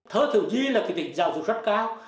thơ thiếu nhi là cái tỉnh giáo dục rất cao